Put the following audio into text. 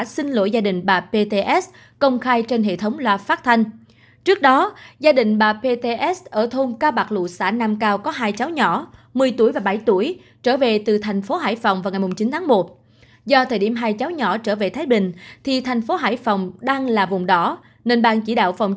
xin chào và hẹn gặp lại